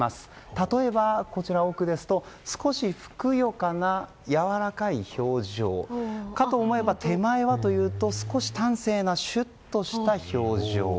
例えば、奥ですと少しふくよかなやわらかい表情かと思えば、手前はというと少し端正なシュッとした表情。